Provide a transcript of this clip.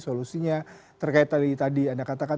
solusinya terkait tadi anda katakan